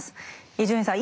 伊集院さん